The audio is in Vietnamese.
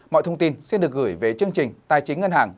mọi thông tin xin được gửi về chương trình tài chính ngân hàng